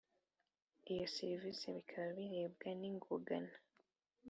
Iyo serivisi bikaba birebwa n igongana